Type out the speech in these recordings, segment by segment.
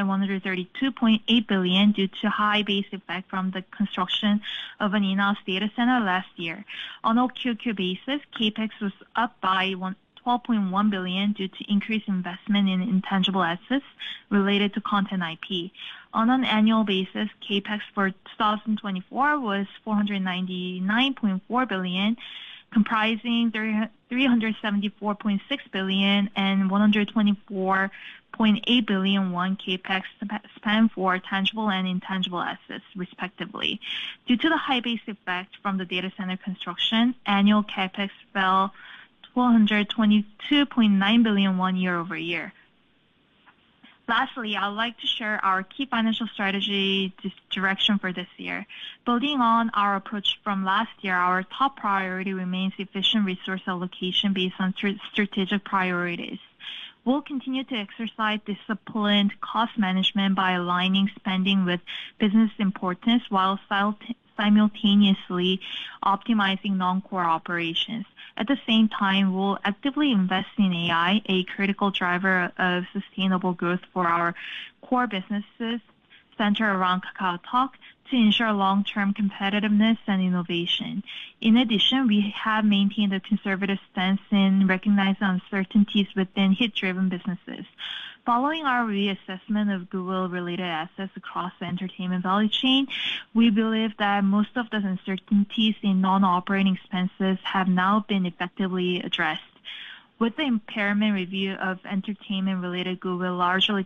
532.8 billion due to high base effect from the construction of an in-house data center last year. On a Q2 basis, CAPEX was up by 12.1 billion due to increased investment in intangible assets related to content IP. On an annual basis, CAPEX for 2024 was 499.4 billion, comprising 374.6 billion and 124.8 billion CAPEX spent for tangible and intangible assets, respectively. Due to the high base effect from the data center construction, annual CAPEX fell 1,222.9 billion won year over year. Lastly, I'd like to share our key financial strategy direction for this year. Building on our approach from last year, our top priority remains efficient resource allocation based on strategic priorities. We'll continue to exercise disciplined cost management by aligning spending with business importance while simultaneously optimizing non-core operations. At the same time, we'll actively invest in AI, a critical driver of sustainable growth for our core businesses centered around KakaoTalk, to ensure long-term competitiveness and innovation. In addition, we have maintained a conservative stance in recognizing uncertainties within hit-driven businesses. Following our reassessment of Google-related assets across the entertainment value chain, we believe that most of the uncertainties in non-operating expenses have now been effectively addressed. With the impairment review of entertainment-related Google largely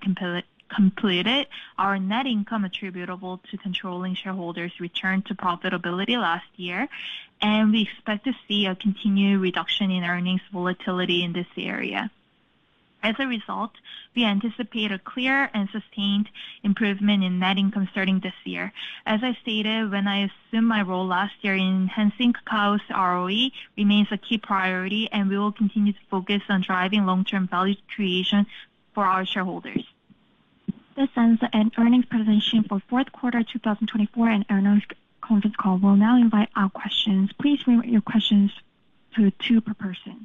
completed, our net income attributable to controlling shareholders returned to profitability last year, and we expect to see a continued reduction in earnings volatility in this area. As a result, we anticipate a clear and sustained improvement in net income starting this year. As I stated, when I assumed my role last year, enhancing Kakao's ROE remains a key priority, and we will continue to focus on driving long-term value creation for our shareholders. This ends the earnings presentation for fourth quarter 2024 and earnings conference call. We'll now invite your questions. Please bring your questions to two per person.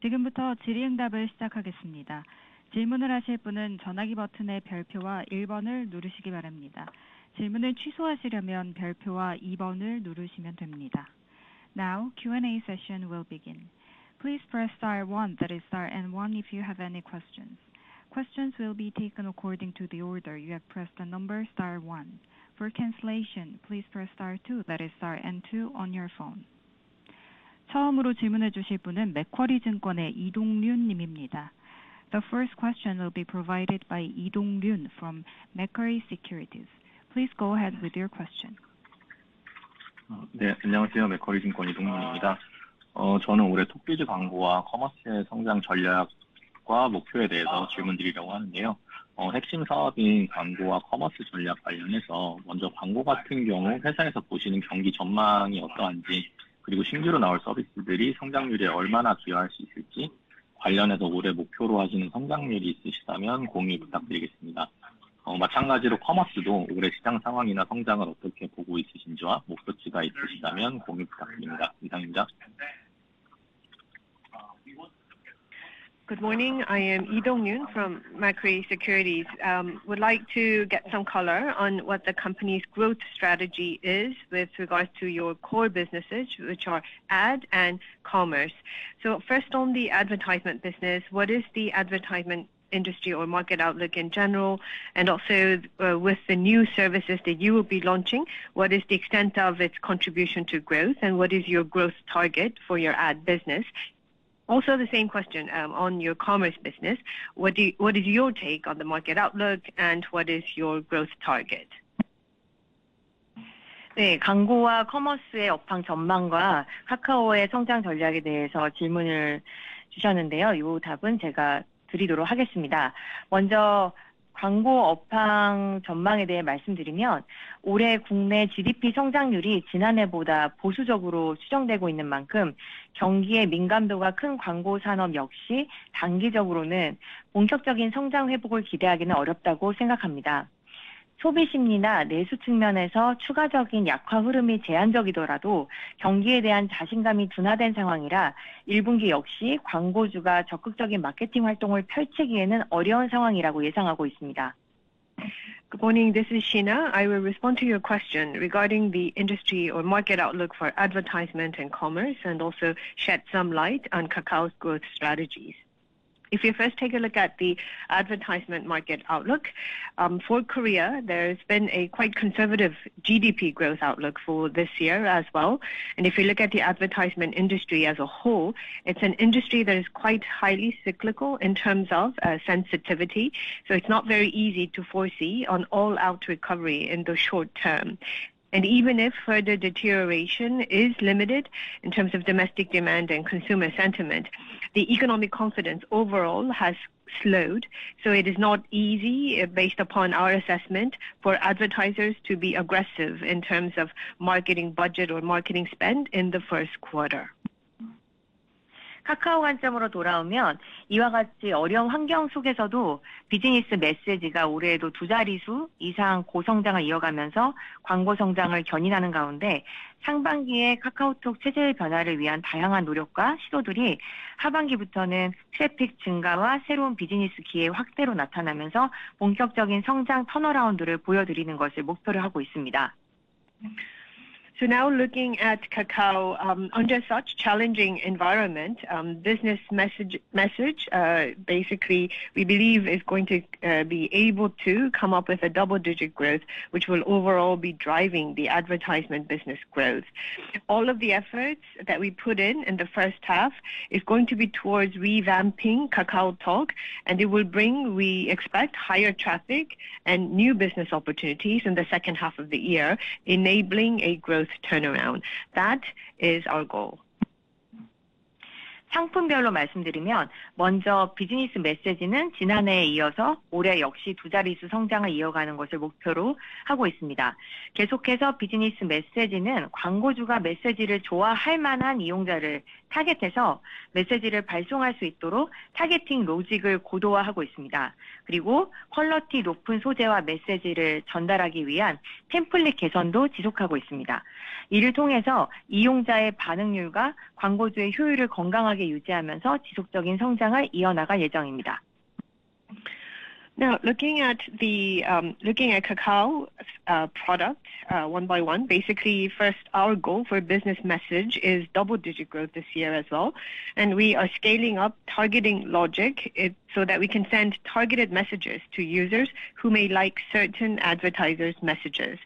지금부터 질의응답을 시작하겠습니다. 질문을 하실 분은 전화기 버튼의 별표와 1번을 누르시기 바랍니다. 질문을 취소하시려면 별표와 2번을 누르시면 됩니다. Now, Q&A session will begin. Please press star 1, that is star and 1, if you have any questions. Questions will be taken according to the order. You have pressed the number star 1. For cancellation, please press star 2, that is star and 2, on your phone. 처음으로 질문해 주실 분은 맥쿼리증권의 이동륜 님입니다. The first question will be provided by Lee Dong-ryun from Macquarie Securities. Please go ahead with your question. 안녕하세요. 맥쿼리증권 이동륜입니다. 저는 올해 톡비즈 광고와 커머스의 성장 전략과 목표에 대해서 질문드리려고 하는데요. 핵심 사업인 광고와 커머스 전략 관련해서 먼저 광고 같은 경우 회사에서 보시는 경기 전망이 어떠한지, 그리고 신규로 나올 서비스들이 성장률에 얼마나 기여할 수 있을지 관련해서 올해 목표로 하시는 성장률이 있으시다면 공유 부탁드리겠습니다. 마찬가지로 커머스도 올해 시장 상황이나 성장을 어떻게 보고 있으신지와 목표치가 있으시다면 공유 부탁드립니다. 이상입니다. Good morning. I am Lee Dong-ryun from Macquarie Securities. Would like to get some color on what the company's growth strategy is with regards to your core businesses, which are ad and commerce. So first, on the advertisement business, what is the advertisement industry or market outlook in general? And also, with the new services that you will be launching, what is the extent of its contribution to growth, and what is your growth target for your ad business? Also, the same question on your commerce business. What is your take on the market outlook, and what is your growth target? 네, 광고와 커머스의 업황 전망과 카카오의 성장 전략에 대해서 질문을 주셨는데요. 이 답은 제가 드리도록 하겠습니다. 먼저 광고 업황 전망에 대해 말씀드리면, 올해 국내 GDP 성장률이 지난해보다 보수적으로 추정되고 있는 만큼 경기에 민감도가 큰 광고 산업 역시 단기적으로는 본격적인 성장 회복을 기대하기는 어렵다고 생각합니다. 소비 심리나 내수 측면에서 추가적인 약화 흐름이 제한적이더라도 경기에 대한 자신감이 둔화된 상황이라 1분기 역시 광고주가 적극적인 마케팅 활동을 펼치기에는 어려운 상황이라고 예상하고 있습니다. Good morning. This is Shina. I will respond to your question regarding the industry or market outlook for advertisement and commerce and also shed some light on Kakao's growth strategies. If you first take a look at the advertisement market outlook for Korea, there has been a quite conservative GDP growth outlook for this year as well. If you look at the advertisement industry as a whole, it's an industry that is quite highly cyclical in terms of sensitivity. It's not very easy to foresee an all-out recovery in the short term. Even if further deterioration is limited in terms of domestic demand and consumer sentiment, the economic confidence overall has slowed. It is not easy, based upon our assessment, for advertisers to be aggressive in terms of marketing budget or marketing spend in the first quarter. 카카오로 돌아오면, 이와 같이 어려운 환경 속에서도 비즈니스 메시지가 올해에도 두 자리 수 이상 고성장을 이어가면서 광고 성장을 견인하는 가운데, 상반기에 카카오톡 체제의 변화를 위한 다양한 노력과 시도들이 하반기부터는 트래픽 증가와 새로운 비즈니스 기회의 확대로 나타나면서 본격적인 성장 턴어라운드를 보여드리는 것을 목표로 하고 있습니다. Now looking at Kakao, under such challenging environment, business message, basically, we believe is going to be able to come up with a double-digit growth, which will overall be driving the advertisement business growth. All of the efforts that we put in in the first half is going to be towards revamping KakaoTalk, and it will bring, we expect, higher traffic and new business opportunities in the second half of the year, enabling a growth turnaround. That is our goal. 상품별로 말씀드리면, 먼저 비즈니스 메시지는 지난해에 이어서 올해 역시 두 자리 수 성장을 이어가는 것을 목표로 하고 있습니다. 계속해서 비즈니스 메시지는 광고주가 메시지를 좋아할 만한 이용자를 타겟해서 메시지를 발송할 수 있도록 타겟팅 로직을 고도화하고 있습니다. 그리고 퀄리티 높은 소재와 메시지를 전달하기 위한 템플릿 개선도 지속하고 있습니다. 이를 통해서 이용자의 반응률과 광고주의 효율을 건강하게 유지하면서 지속적인 성장을 이어나갈 예정입니다. Now, looking at Kakao product one by one, basically, first, our goal for business message is double-digit growth this year as well, and we are scaling up targeting logic so that we can send targeted messages to users who may like certain advertisers' messages.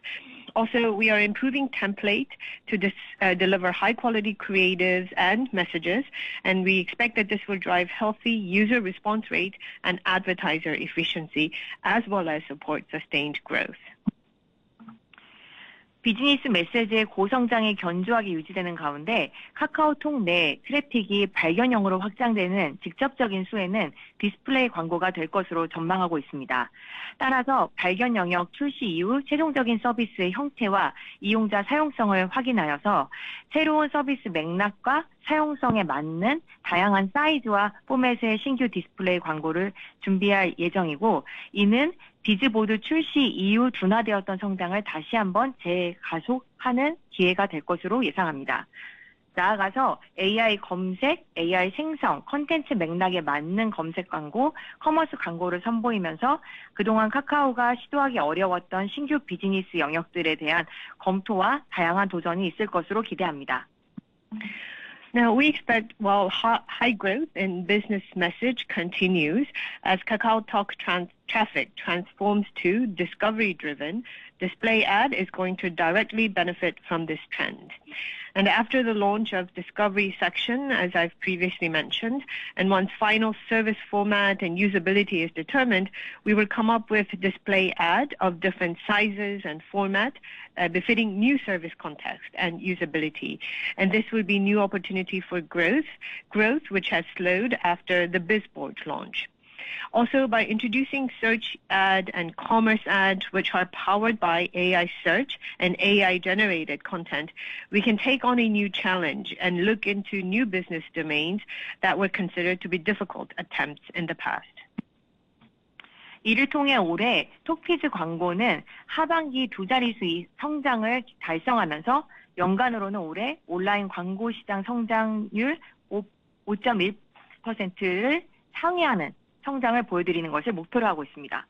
Also, we are improving template to deliver high-quality creatives and messages, and we expect that this will drive healthy user response rate and advertiser efficiency, as well as support sustained growth. 비즈니스 메시지의 고성장이 견조하게 유지되는 가운데, 카카오톡 내 트래픽이 발견형으로 확장되는 직접적인 수혜는 디스플레이 광고가 될 것으로 전망하고 있습니다. 따라서 발견 영역 출시 이후 최종적인 서비스의 형태와 이용자 사용성을 확인하여서 새로운 서비스 맥락과 사용성에 맞는 다양한 사이즈와 포맷의 신규 디스플레이 광고를 준비할 예정이고, 이는 비즈보드 출시 이후 둔화되었던 성장을 다시 한번 재가속하는 기회가 될 것으로 예상합니다. 나아가서 AI 검색, AI 생성, 콘텐츠 맥락에 맞는 검색 광고, 커머스 광고를 선보이면서 그동안 카카오가 시도하기 어려웠던 신규 비즈니스 영역들에 대한 검토와 다양한 도전이 있을 것으로 기대합니다. Now, we expect while high growth in Business Message continues, as KakaoTalk traffic transforms to discovery-driven, Display Ad is going to directly benefit from this trend, and after the launch of Discovery section, as I've previously mentioned, and once final service format and usability is determined, we will come up with Display Ad of different sizes and format befitting new service context and usability. This will be a new opportunity for growth, growth which has slowed after the Bizboard launch. Also, by introducing search ad and commerce ad, which are powered by AI search and AI-generated content, we can take on a new challenge and look into new business domains that were considered to be difficult attempts in the past. 이를 통해 올해 톡비즈 광고는 하반기 두 자리 수 성장을 달성하면서 연간으로는 올해 온라인 광고 시장 성장률 5.1%를 상회하는 성장을 보여드리는 것을 목표로 하고 있습니다.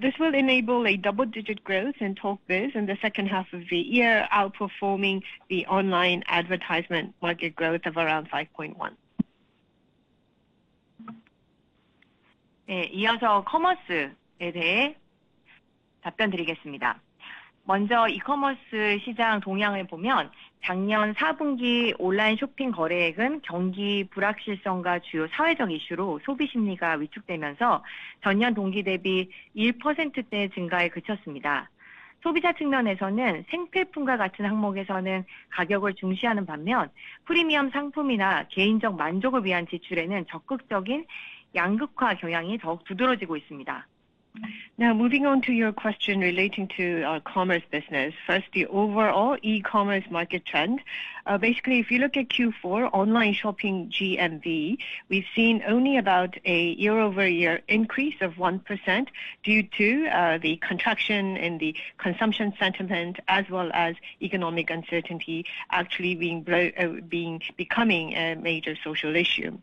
This will enable a double-digit growth in Talk Biz in the second half of the year, outperforming the online advertisement market growth of around 5.1%. 이어서 커머스에 대해 답변드리겠습니다. 먼저 이커머스 시장 동향을 보면, 작년 4분기 온라인 쇼핑 거래액은 경기 불확실성과 주요 사회적 이슈로 소비 심리가 위축되면서 전년 동기 대비 1%대 증가에 그쳤습니다. 소비자 측면에서는 생필품과 같은 항목에서는 가격을 중시하는 반면, 프리미엄 상품이나 개인적 만족을 위한 지출에는 적극적인 양극화 경향이 더욱 두드러지고 있습니다. Now, moving on to your question relating to commerce business, first, the overall e-commerce market trend. Basically, if you look at Q4 online shopping GMV, we've seen only about a year-over-year increase of 1% due to the contraction in the consumption sentiment, as well as economic uncertainty actually becoming a major social issue.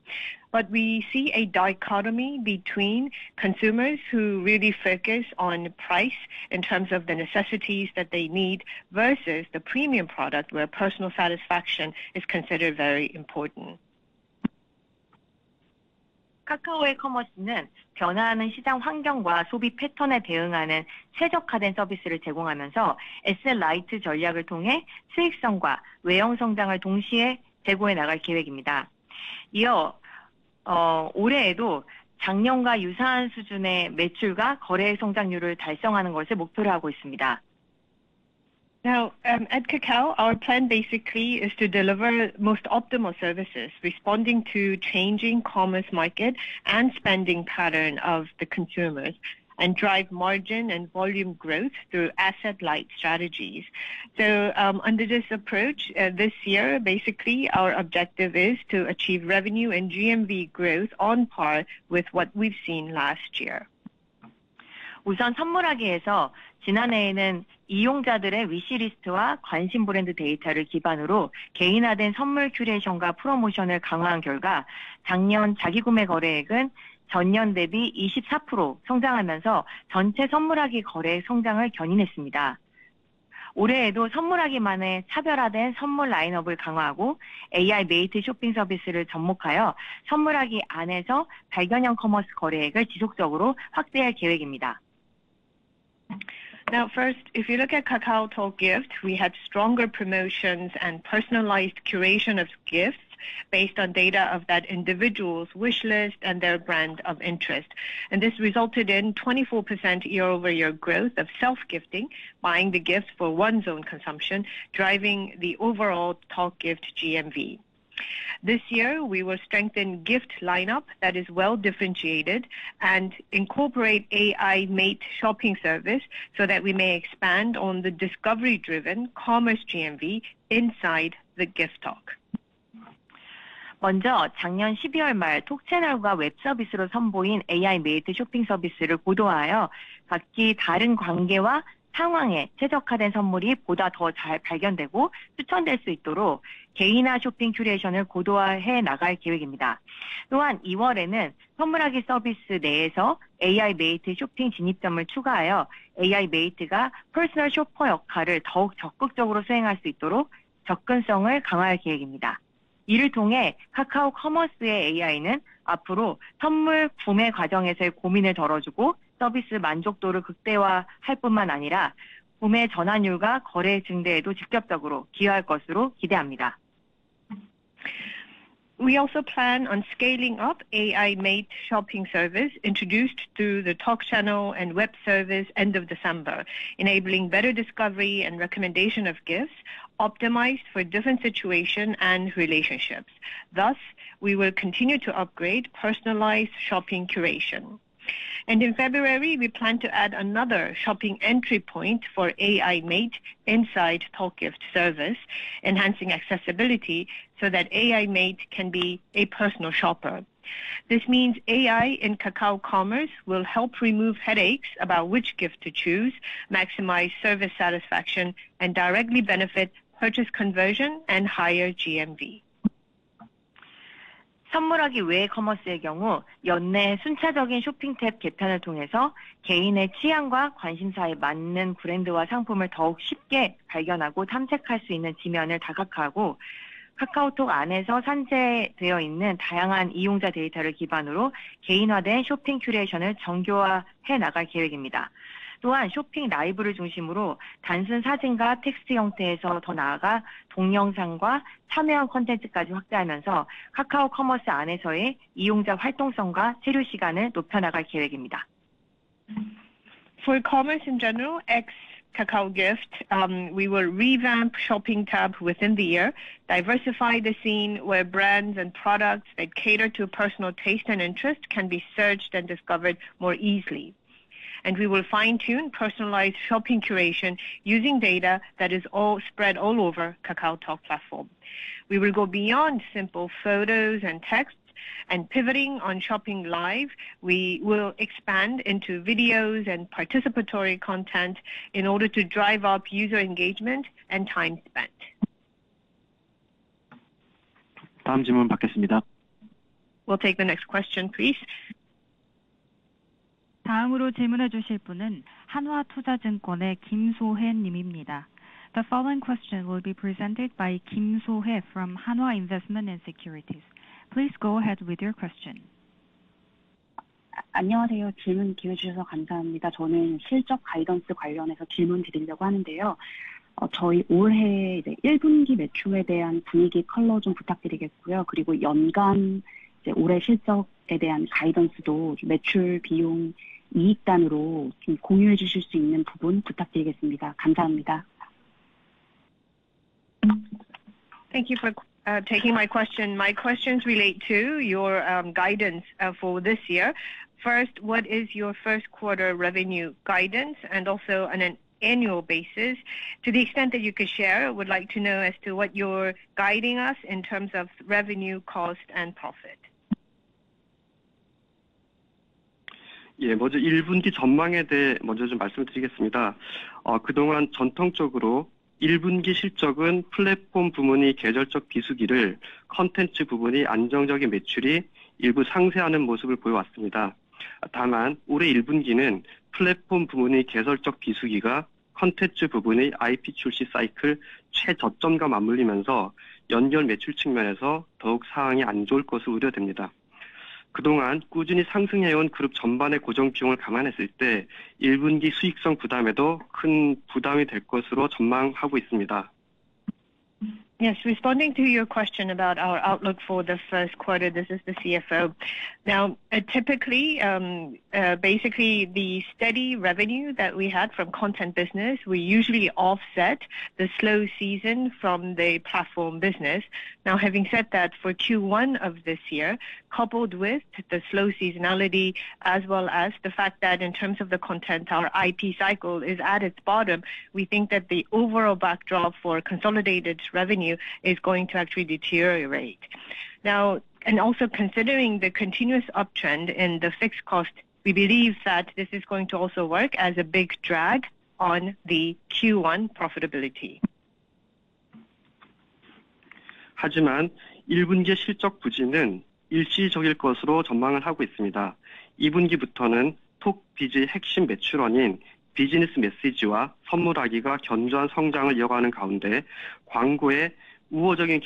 But we see a dichotomy between consumers who really focus on price in terms of the necessities that they need versus the premium product where personal satisfaction is considered very important. 카카오의 커머스는 변화하는 시장 환경과 소비 패턴에 대응하는 최적화된 서비스를 제공하면서 SLIT 전략을 통해 수익성과 외형 성장을 동시에 제고해 나갈 계획입니다. 이어 올해에도 작년과 유사한 수준의 매출과 거래 성장률을 달성하는 것을 목표로 하고 있습니다. Now, at Kakao, our plan basically is to deliver most optimal services, responding to changing commerce market and spending pattern of the consumers, and drive margin and volume growth through asset-light strategies. So under this approach, this year, basically, our objective is to achieve revenue and GMV growth on par with what we've seen last year. 우선 선물하기에서 지난해에는 이용자들의 위시리스트와 관심 브랜드 데이터를 기반으로 개인화된 선물 큐레이션과 프로모션을 강화한 결과, 작년 자기 구매 거래액은 전년 대비 24% 성장하면서 전체 선물하기 거래액 성장을 견인했습니다. 올해에도 선물하기만의 차별화된 선물 라인업을 강화하고 AI 메이트 쇼핑 서비스를 접목하여 선물하기 안에서 발견형 커머스 거래액을 지속적으로 확대할 계획입니다. Now, first, if you look at KakaoTalk Gift, we had stronger promotions and personalized curation of gifts based on data of that individual's wish list and their brand of interest. This resulted in 24% year-over-year growth of self-gifting, buying the gift for one's own consumption, driving the overall Talk Gift GMV. This year, we will strengthen gift lineup that is well differentiated and incorporate AI mate shopping service so that we may expand on the discovery-driven commerce GMV inside the Gift Talk. 먼저 작년 12월 말 톡채널과 웹 서비스로 선보인 AI 메이트 쇼핑 서비스를 고도화하여 각기 다른 관계와 상황에 최적화된 선물이 보다 더잘 발견되고 추천될 수 있도록 개인화 쇼핑 큐레이션을 고도화해 나갈 계획입니다. 또한 2월에는 선물하기 서비스 내에서 AI 메이트 쇼핑 진입점을 추가하여 AI 메이트가 퍼스널 쇼퍼 역할을 더욱 적극적으로 수행할 수 있도록 접근성을 강화할 계획입니다. 이를 통해 카카오 커머스의 AI는 앞으로 선물 구매 과정에서의 고민을 덜어주고 서비스 만족도를 극대화할 뿐만 아니라 구매 전환율과 거래 증대에도 직접적으로 기여할 것으로 기대합니다. We also plan on scaling up AI-mate shopping service introduced through the Talk Channel and web service end of December, enabling better discovery and recommendation of gifts optimized for different situations and relationships. Thus, we will continue to upgrade personalized shopping curation. And in February, we plan to add another shopping entry point for AI-mate inside Talk Gift service, enhancing accessibility so that AI-mate can be a personal shopper. This means AI in Kakao Commerce will help remove headaches about which gift to choose, maximize service satisfaction, and directly benefit purchase conversion and higher GMV. 선물하기 외에 커머스의 경우 연내 순차적인 쇼핑 탭 개편을 통해서 개인의 취향과 관심사에 맞는 브랜드와 상품을 더욱 쉽게 발견하고 탐색할 수 있는 지면을 다각화하고, 카카오톡 안에서 산재되어 있는 다양한 이용자 데이터를 기반으로 개인화된 쇼핑 큐레이션을 정교화해 나갈 계획입니다. 또한 쇼핑 라이브를 중심으로 단순 사진과 텍스트 형태에서 더 나아가 동영상과 참여형 콘텐츠까지 확대하면서 카카오 커머스 안에서의 이용자 활동성과 체류 시간을 높여나갈 계획입니다. For commerce in general, ex Kakao Gift, we will revamp shopping tab within the year, diversify the scene where brands and products that cater to personal taste and interest can be searched and discovered more easily, and we will fine-tune personalized shopping curation using data that is spread all over KakaoTalk platform. We will go beyond simple photos and text, and pivoting on Shopping Live, we will expand into videos and participatory content in order to drive up user engagement and time spent. 다음 질문 받겠습니다. We'll take the next question, please. 다음으로 질문해 주실 분은 한화투자증권의 김소혜 님입니다. The following question will be presented by Kim So-hee from Hanwha Investment & Securities. Please go ahead with your question. 안녕하세요. 질문 기회 주셔서 감사합니다. 저는 실적 가이던스 관련해서 질문 드리려고 하는데요. 저희 올해 1분기 매출에 대한 분위기 컬러 좀 부탁드리겠고요. 그리고 연간 올해 실적에 대한 가이던스도 매출, 비용, 이익 단으로 좀 공유해 주실 수 있는 부분 부탁드리겠습니다. 감사합니다. Thank you for taking my question. My questions relate to your guidance for this year. First, what is your first quarter revenue guidance and also on an annual basis? To the extent that you could share, I would like to know as to what you're guiding us in terms of revenue, cost, and profit. 예, 먼저 1분기 전망에 대해 먼저 좀 말씀드리겠습니다. 그동안 전통적으로 1분기 실적은 플랫폼 부문이 계절적 비수기를, 콘텐츠 부문이 안정적인 매출이 일부 상쇄하는 모습을 보여왔습니다. 다만 올해 1분기는 플랫폼 부문의 계절적 비수기가 콘텐츠 부문의 IP 출시 사이클 최저점과 맞물리면서 연결 매출 측면에서 더욱 상황이 안 좋을 것으로 우려됩니다. 그동안 꾸준히 상승해 온 그룹 전반의 고정 비용을 감안했을 때 1분기 수익성 부담에도 큰 부담이 될 것으로 전망하고 있습니다. Yes, responding to your question about our outlook for the first quarter, this is the CFO. Now, typically, basically the steady revenue that we had from content business, we usually offset the slow season from the platform business. Now, having said that, for Q1 of this year, coupled with the slow seasonality, as well as the fact that in terms of the content, our IP cycle is at its bottom, we think that the overall backdrop for consolidated revenue is going to actually deteriorate. Now, and also considering the continuous uptrend in the fixed cost, we believe that this is going to also work as a big drag on the Q1 profitability. 하지만 1분기 실적 부진은 일시적일 것으로 전망을 하고 있습니다. 2분기부터는 톡비즈의 핵심 매출원인 비즈니스 메시지와 선물하기가 견조한 성장을 이어가는 가운데 광고의 우호적인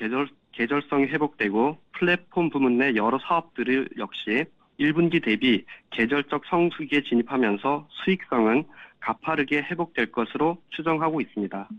계절성이 회복되고 플랫폼 부문 내 여러 사업들 역시 1분기 대비 계절적 성수기에 진입하면서 수익성은 가파르게 회복될 것으로 추정하고 있습니다.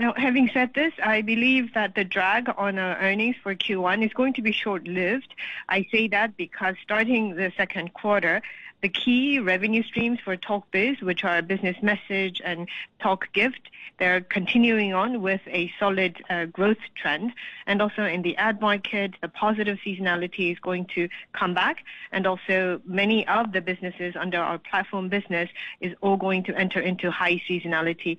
Now, having said this, I believe that the drag on our earnings for Q1 is going to be short-lived. I say that because starting the second quarter, the key revenue streams for Talk Biz, which are Business Message and Talk Gift, they're continuing on with a solid growth trend. And also in the ad market, the positive seasonality is going to come back. And also many of the businesses under our platform business are all going to enter into high seasonality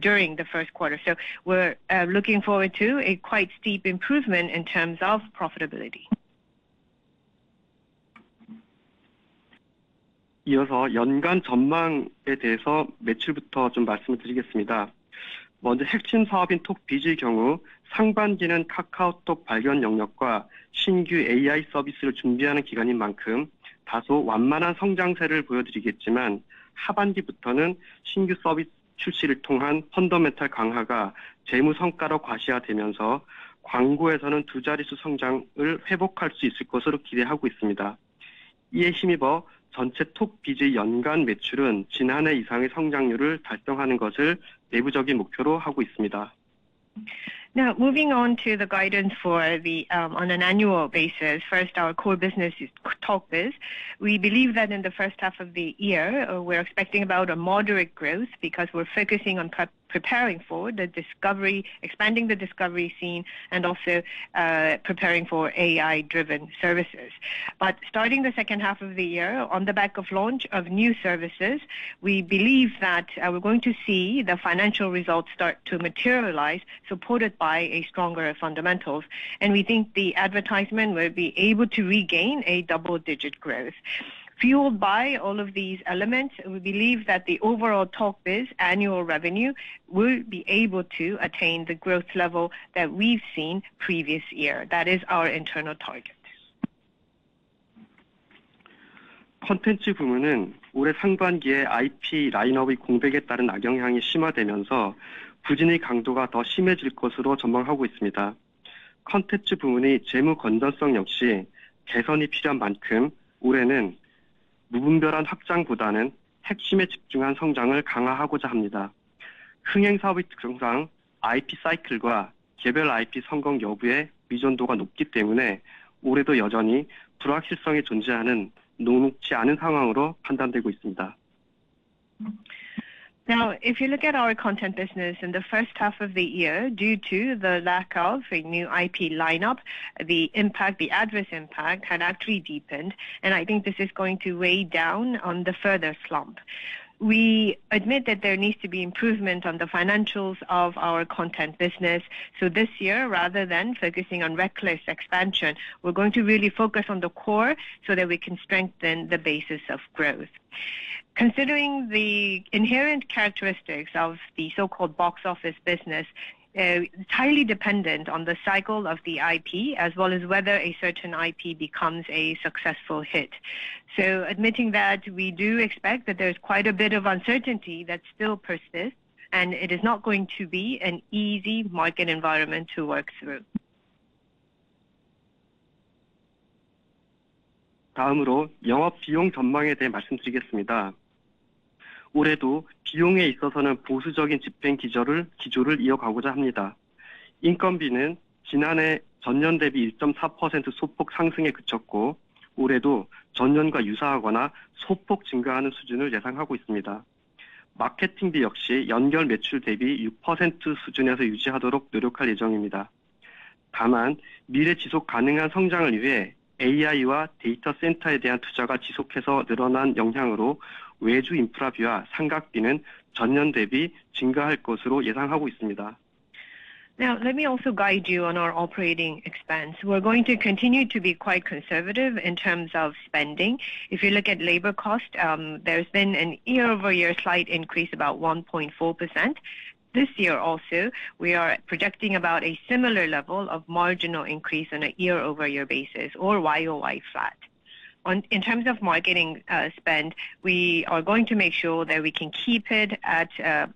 during the first quarter. So we're looking forward to a quite steep improvement in terms of profitability. 이어서 연간 전망에 대해서 매출부터 좀 말씀을 드리겠습니다. Now, moving on to the guidance for the year on an annual basis, first, our core business is Talk Biz. We believe that in the first half of the year, we're expecting about a moderate growth because we're focusing on preparing for the discovery section, expanding the discovery section, and also preparing for AI-driven services. But starting the second half of the year, on the back of the launch of new services, we believe that we're going to see the financial results start to materialize, supported by stronger fundamentals. We think the advertisement will be able to regain a double-digit growth. Fueled by all of these elements, we believe that the overall Talk Biz annual revenue will be able to attain the growth level that we've seen previous year. That is our internal target. 콘텐츠 부문은 올해 상반기에 IP 라인업의 공백에 따른 악영향이 심화되면서 부진의 강도가 더 심해질 것으로 전망하고 있습니다. 콘텐츠 부문의 재무 건전성 역시 개선이 필요한 만큼 올해는 무분별한 확장보다는 핵심에 집중한 성장을 강화하고자 합니다. 흥행 사업의 특성상 IP 사이클과 개별 IP 성공 여부의 의존도가 높기 때문에 올해도 여전히 불확실성이 존재하는 녹록지 않은 상황으로 판단되고 있습니다. Now, if you look at our content business in the first half of the year, due to the lack of a new IP lineup, the impact, the adverse impact had actually deepened. I think this is going to weigh down on the further slump. We admit that there needs to be improvement on the financials of our content business. So this year, rather than focusing on reckless expansion, we're going to really focus on the core so that we can strengthen the basis of growth. Considering the inherent characteristics of the so-called box office business, it's highly dependent on the cycle of the IP as well as whether a certain IP becomes a successful hit. Admitting that, we do expect that there's quite a bit of uncertainty that still persists, and it is not going to be an easy market environment to work through. 다음으로 영업 비용 전망에 대해 말씀드리겠습니다. 올해도 비용에 있어서는 보수적인 집행 기조를 이어가고자 합니다. 인건비는 지난해 전년 대비 1.4% 소폭 상승에 그쳤고, 올해도 전년과 유사하거나 소폭 증가하는 수준을 예상하고 있습니다. 마케팅비 역시 연결 매출 대비 6% 수준에서 유지하도록 노력할 예정입니다. 다만 미래 지속 가능한 성장을 위해 AI와 데이터 센터에 대한 투자가 지속해서 늘어난 영향으로 외주 인프라비와 상각비는 전년 대비 증가할 것으로 예상하고 있습니다. Now, let me also guide you on our operating expense. We're going to continue to be quite conservative in terms of spending. If you look at labor cost, there's been a year-over-year slight increase, about 1.4%. This year also, we are projecting about a similar level of marginal increase on a year-over-year basis or YOY flat. In terms of marketing spend, we are going to make sure that we can keep it at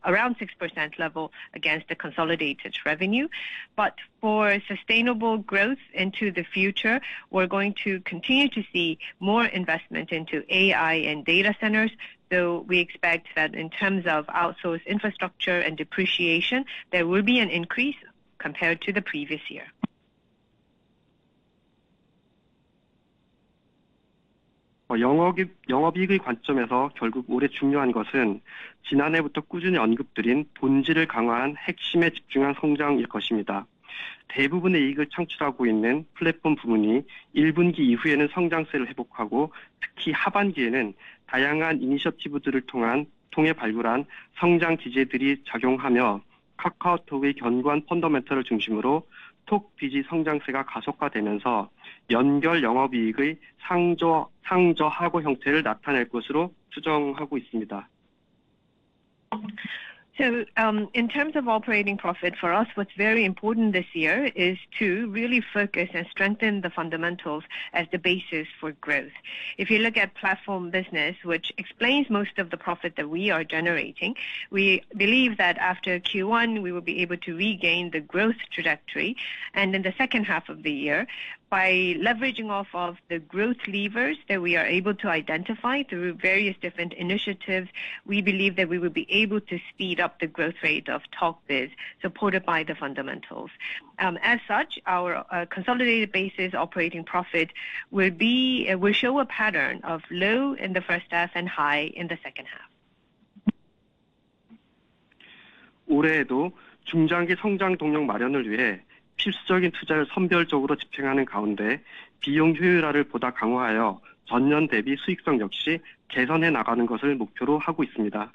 around 6% level against the consolidated revenue, but for sustainable growth into the future, we're going to continue to see more investment into AI and data centers, so we expect that in terms of outsourced infrastructure and depreciation, there will be an increase compared to the previous year. 영업 이익의 관점에서 결국 올해 중요한 것은 지난해부터 꾸준히 언급드린 본질을 강화한 핵심에 집중한 성장일 것입니다. 대부분의 이익을 창출하고 있는 플랫폼 부문이 1분기 이후에는 성장세를 회복하고, 특히 하반기에는 다양한 이니셔티브들을 통해 발굴한 성장 기제들이 작용하며 카카오톡의 견고한 펀더멘털을 중심으로 톡비즈의 성장세가 가속화되면서 연결 영업 이익의 상저하고 형태를 나타낼 것으로 추정하고 있습니다. In terms of operating profit, for us, what's very important this year is to really focus and strengthen the fundamentals as the basis for growth. If you look at platform business, which explains most of the profit that we are generating, we believe that after Q1, we will be able to regain the growth trajectory. In the second half of the year, by leveraging off of the growth levers that we are able to identify through various different initiatives, we believe that we will be able to speed up the growth rate of Talk Biz, supported by the fundamentals. As such, our consolidated basis operating profit will show a pattern of low in the first half and high in the second half. 올해에도 중장기 성장 동력 마련을 위해 필수적인 투자를 선별적으로 집행하는 가운데 비용 효율화를 보다 강화하여 전년 대비 수익성 역시 개선해 나가는 것을 목표로 하고 있습니다.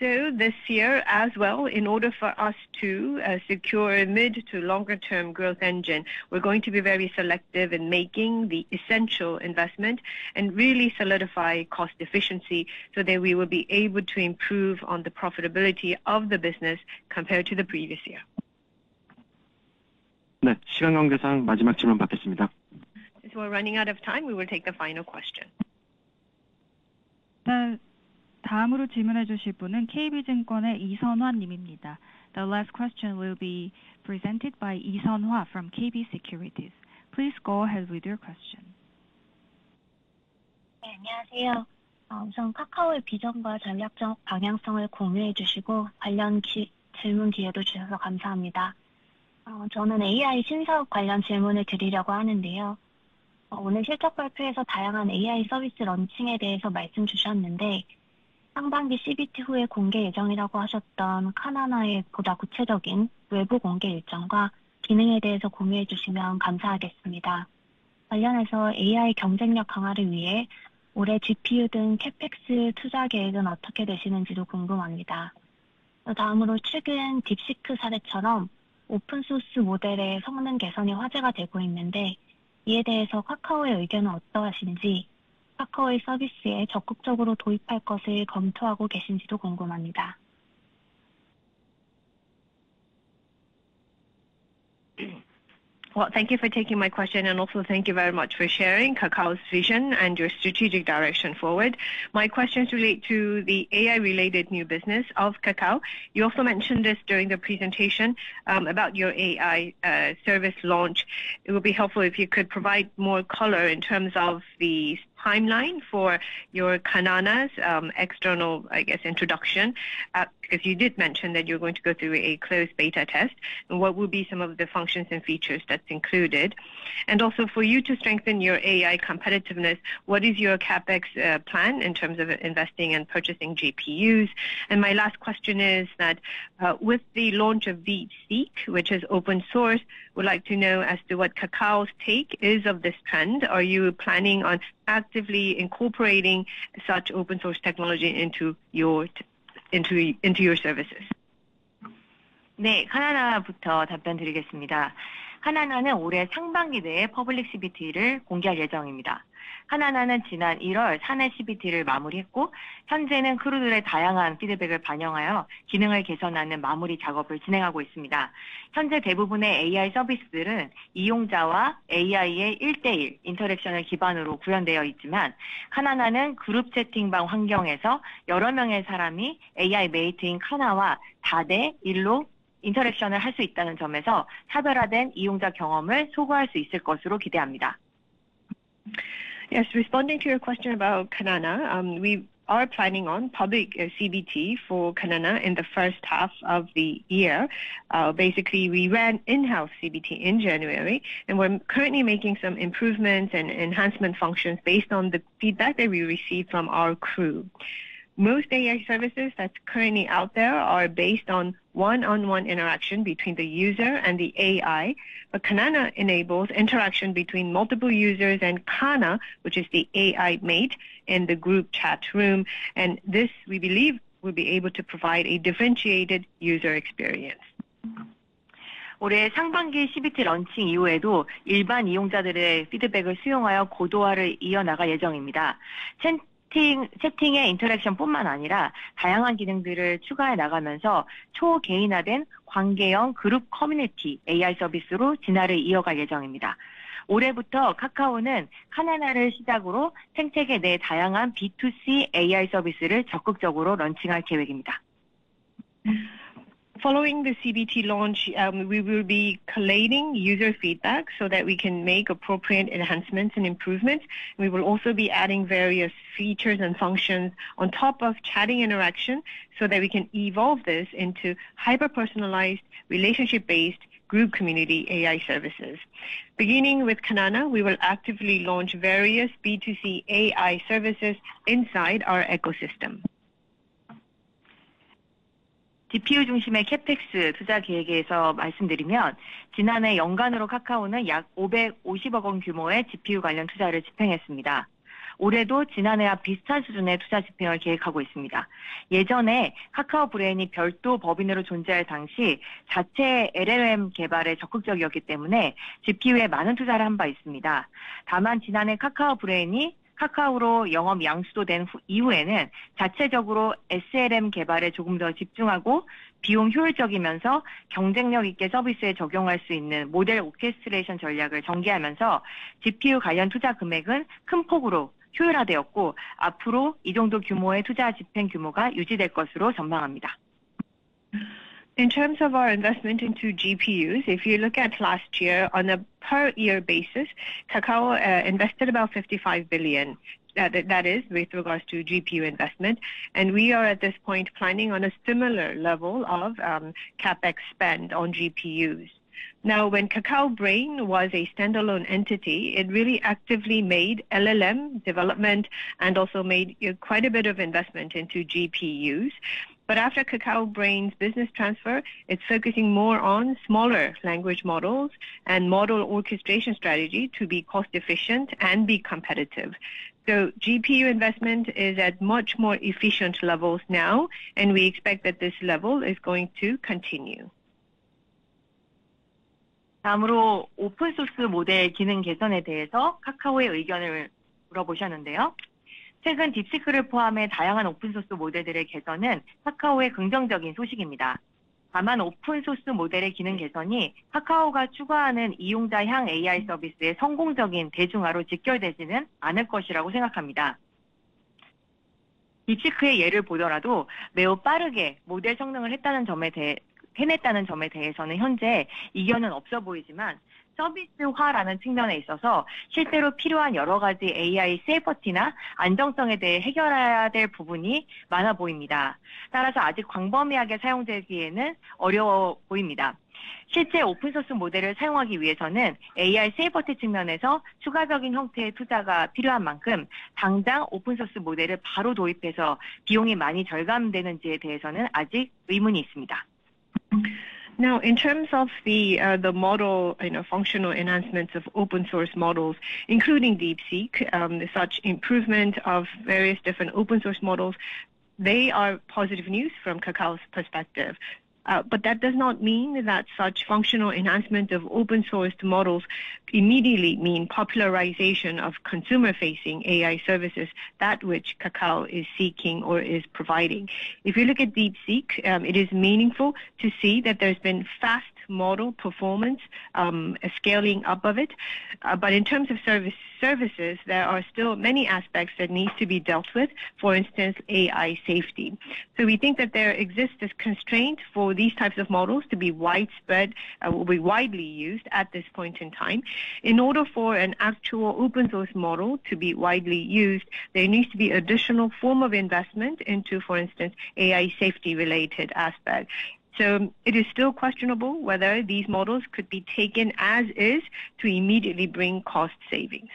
This year as well, in order for us to secure a mid to longer-term growth engine, we're going to be very selective in making the essential investment and really solidify cost efficiency so that we will be able to improve on the profitability of the business compared to the previous year. 네, 시간 관계상 마지막 질문 받겠습니다. Since we're running out of time, we will take the final question. 다음으로 질문해 주실 분은 KB증권의 이선화 님입니다. The last question will be presented by Lee Sunhwa from KB Securities. Please go ahead with your question. 네, 안녕하세요. 우선 카카오의 비전과 전략적 방향성을 공유해 주시고 관련 질문 기회를 주셔서 감사합니다. 저는 AI 신사업 관련 질문을 드리려고 하는데요. 오늘 실적 발표에서 다양한 AI 서비스 런칭에 대해서 말씀 주셨는데, 상반기 CBT 후에 공개 예정이라고 하셨던 카나나의 보다 구체적인 외부 공개 일정과 기능에 대해서 공유해 주시면 감사하겠습니다. 관련해서 AI 경쟁력 강화를 위해 올해 GPU 등 CAPEX 투자 계획은 어떻게 되시는지도 궁금합니다. 다음으로 최근 딥시크 사례처럼 오픈소스 모델의 성능 개선이 화제가 되고 있는데, 이에 대해서 카카오의 의견은 어떠하신지, 카카오의 서비스에 적극적으로 도입할 것을 검토하고 계신지도 궁금합니다. Thank you for taking my question, and also thank you very much for sharing Kakao's vision and your strategic direction forward. My questions relate to the AI-related new business of Kakao. You also mentioned this during the presentation about your AI service launch. It would be helpful if you could provide more color in terms of the timeline for your Kanana's external, I guess, introduction, because you did mention that you're going to go through a closed beta test. And what will be some of the functions and features that's included? Also for you to strengthen your AI competitiveness, what is your CAPEX plan in terms of investing and purchasing GPUs? My last question is that with the launch of DeepSeek, which is open-source, we'd like to know as to what Kakao's take is of this trend. Are you planning on actively incorporating such open source technology into your services? 네, 카나나부터 답변 드리겠습니다. 카나나는 올해 상반기 내에 퍼블릭 CBT를 공개할 예정입니다. 카나나는 지난 1월 사내 CBT를 마무리했고, 현재는 크루들의 다양한 피드백을 반영하여 기능을 개선하는 마무리 작업을 진행하고 있습니다. 현재 대부분의 AI 서비스들은 이용자와 AI의 1대1 인터랙션을 기반으로 구현되어 있지만, 카나나는 그룹 채팅방 환경에서 여러 명의 사람이 AI 메이트인 카나와 4대1로 인터랙션을 할수 있다는 점에서 차별화된 이용자 경험을 소구할 수 있을 것으로 기대합니다. Yes, responding to your question about Kanana, we are planning on public CBT for Kanana in the first half of the year. Basically, we ran in-house CBT in January, and we're currently making some improvements and enhancement functions based on the feedback that we received from our crew. Most AI services that's currently out there are based on one-on-one interaction between the user and the AI, but Kanana enables interaction between multiple users and Kana, which is the AI mate in the group chat room. This, we believe, will be able to provide a differentiated user experience. 올해 상반기 CBT 런칭 이후에도 일반 이용자들의 피드백을 수용하여 고도화를 이어나갈 예정입니다. 채팅의 인터랙션뿐만 아니라 다양한 기능들을 추가해 나가면서 초개인화된 관계형 그룹 커뮤니티 AI 서비스로 진화를 이어갈 예정입니다. 올해부터 카카오는 카나나를 시작으로 생태계 내 다양한 B2C AI 서비스를 적극적으로 런칭할 계획입니다. Following the CBT launch, we will be collating user feedback so that we can make appropriate enhancements and improvements. We will also be adding various features and functions on top of chatting interaction so that we can evolve this into hyper-personalized, relationship-based group community AI services. Beginning with Kanana, we will actively launch various B2C AI services inside our ecosystem. GPU 중심의 CAPEX 투자 계획에 대해서 말씀드리면, 지난해 연간으로 카카오는 약 55 billion 규모의 GPU 관련 투자를 집행했습니다. 올해도 지난해와 비슷한 수준의 투자 집행을 계획하고 있습니다. 예전에 카카오 브레인이 별도 법인으로 존재할 당시 자체 LLM 개발에 적극적이었기 때문에 GPU에 많은 투자를 한바 있습니다. 다만 지난해 카카오 브레인이 카카오로 영업 양수도 된 이후에는 자체적으로 SLM 개발에 조금 더 집중하고 비용 효율적이면서 경쟁력 있게 서비스에 적용할 수 있는 모델 오케스트레이션 전략을 전개하면서 GPU 관련 투자 금액은 큰 폭으로 효율화되었고 앞으로 이 정도 규모의 투자 집행 규모가 유지될 것으로 전망합니다. In terms of our investment into GPUs, if you look at last year on a per-year basis, Kakao invested about 55 billion. That is with regards to GPU investment. And we are at this point planning on a similar level of CAPEX spend on GPUs. Now, when Kakao Brain was a standalone entity, it really actively made LLM development and also made quite a bit of investment into GPUs. But after Kakao Brain's business transfer, it's focusing more on smaller language models and model orchestration strategy to be cost-efficient and be competitive. So GPU investment is at much more efficient levels now, and we expect that this level is going to continue. 다음으로 오픈소스 모델 기능 개선에 대해서 카카오의 의견을 물어보셨는데요. 최근 딥시크를 포함해 다양한 오픈소스 모델들의 개선은 카카오의 긍정적인 소식입니다. 다만 오픈소스 모델의 기능 개선이 카카오가 추구하는 이용자 향 AI 서비스의 성공적인 대중화로 직결되지는 않을 것이라고 생각합니다. 딥시크의 예를 보더라도 매우 빠르게 모델 성능을 해냈다는 점에 대해서는 현재 이견은 없어 보이지만 서비스화라는 측면에 있어서 실제로 필요한 여러 가지 AI 세이퍼티나 안정성에 대해 해결해야 될 부분이 많아 보입니다. 따라서 아직 광범위하게 사용되기에는 어려워 보입니다. 실제 오픈소스 모델을 사용하기 위해서는 AI safety 측면에서 추가적인 형태의 투자가 필요한 만큼 당장 오픈소스 모델을 바로 도입해서 비용이 많이 절감되는지에 대해서는 아직 의문이 있습니다. Now, in terms of the model functional enhancements of open source models, including DeepSeek, such improvement of various different open source models, they are positive news from Kakao's perspective. But that does not mean that such functional enhancement of open source models immediately mean popularization of consumer-facing AI services that which Kakao is seeking or is providing. If you look at DeepSeek, it is meaningful to see that there's been fast model performance scaling up of it. But in terms of services, there are still many aspects that need to be dealt with, for instance, AI safety. So we think that there exists this constraint for these types of models to be widespread, widely used at this point in time. In order for an actual open source model to be widely used, there needs to be additional form of investment into, for instance, AI safety-related aspects. So it is still questionable whether these models could be taken as is to immediately bring cost savings.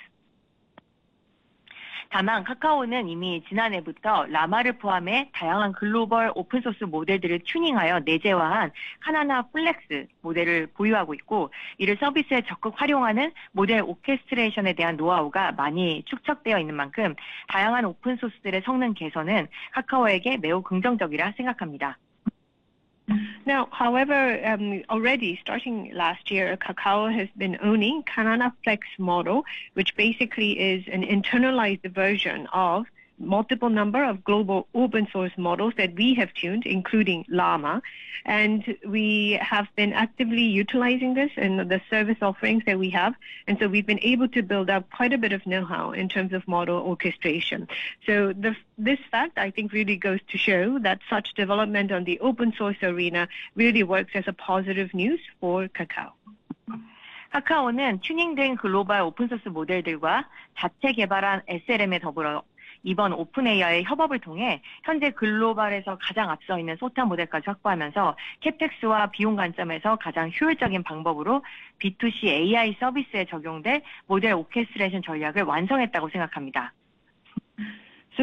카카오는 튜닝된 글로벌 오픈소스 모델들과 자체 개발한 SLM에 더불어 이번 오픈 AI 협업을 통해 현재 글로벌에서 가장 앞서 있는 소타 모델까지 확보하면서 CAPEX와 비용 관점에서 가장 효율적인 방법으로 B2C AI 서비스에 적용된 모델 오케스트레이션 전략을 완성했다고 생각합니다.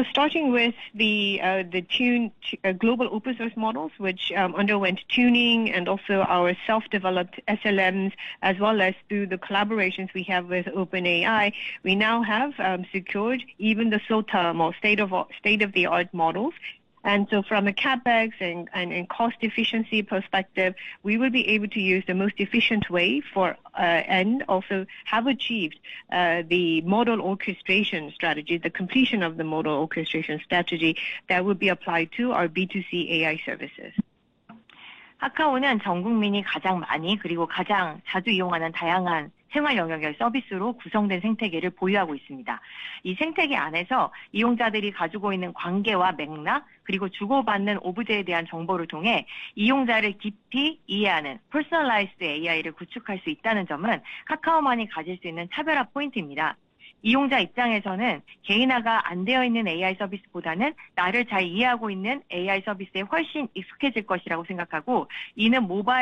Starting with the global open-source models, which underwent tuning and also our self-developed SLMs, as well as through the collaborations we have with OpenAI, we now have secured even the SOTA or state-of-the-art models. From a CAPEX and cost efficiency perspective, we will be able to use the most efficient way for and also have achieved the model orchestration strategy, the completion of the model orchestration strategy that will be applied to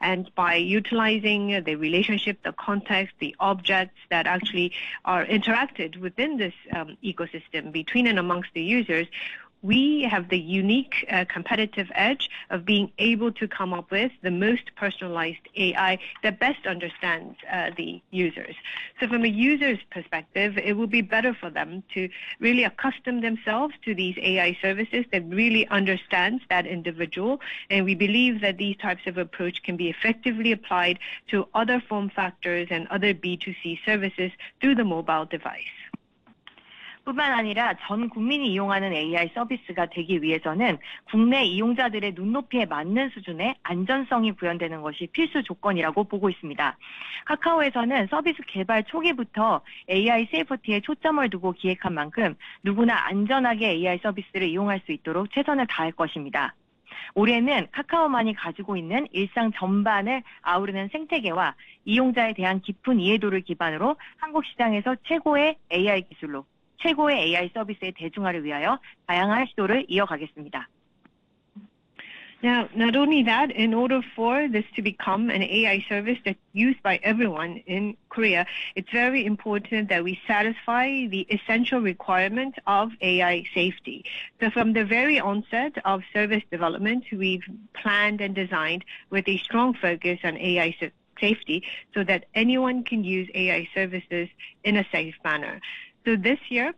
And by utilizing the relationship, the context, the objects that actually are interacted within this ecosystem between and amongst the users, we have the unique competitive edge of being able to come up with the most personalized AI that best understands the users. So from a user's perspective, it will be better for them to really accustom themselves to these AI services that really understand that individual. And we believe that these types of approaches can be effectively applied to other form factors and other B2C services through the mobile device. 뿐만 아니라 전 국민이 이용하는 AI 서비스가 되기 위해서는 국내 이용자들의 눈높이에 맞는 수준의 안전성이 구현되는 것이 필수 조건이라고 보고 있습니다. 카카오에서는 서비스 개발 초기부터 AI 세이프티에 초점을 두고 기획한 만큼 누구나 안전하게 AI 서비스를 이용할 수 있도록 최선을 다할 것입니다. 올해는 카카오만이 가지고 있는 일상 전반을 아우르는 생태계와 이용자에 대한 깊은 이해도를 기반으로 한국 시장에서 최고의 AI 기술로 최고의 AI 서비스의 대중화를 위하여 다양한 시도를 이어가겠습니다. Now, not only that, in order for this to become an AI service that's used by everyone in Korea, it's very important that we satisfy the essential requirement of AI safety. So from the very onset of service development, we've planned and designed with a strong focus on AI safety so that anyone can use AI services in a safe manner. So this year,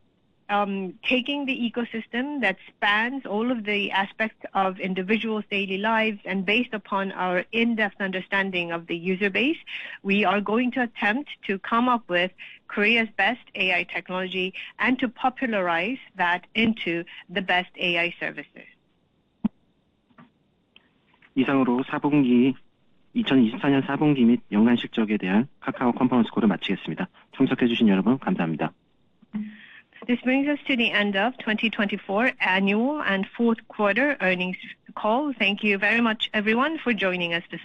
taking the ecosystem that spans all of the aspects of individuals' daily lives and based upon our in-depth understanding of the user base, we are going to attempt to come up with Korea's best AI technology and to popularize that into the best AI services. 이상으로 2024년 4분기 및 연간 실적에 대한 카카오 컨퍼런스 콜을 마치겠습니다. 참석해 주신 여러분, 감사합니다. This brings us to the end of the 2024 Annual and Fourth Quarter Earnings Call. Thank you very much, everyone, for joining us today.